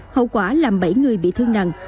hậu quả là bảy người bị thương nặng